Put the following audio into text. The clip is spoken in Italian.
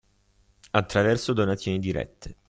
Attraverso donazioni dirette.